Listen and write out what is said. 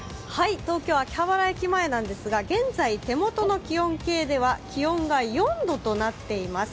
東京・秋葉原駅前なんですが現在、手元の気温計では気温が４度となっています。